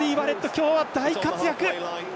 今日は大活躍！